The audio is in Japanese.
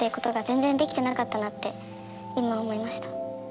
今思いました。